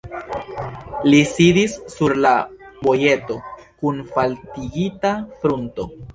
Li sidis sur la vojeto kun faltigita frunto.